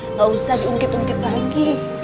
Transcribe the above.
nggak usah diungkit ungkit lagi